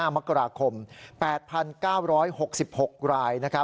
มกราคม๘๙๖๖ราย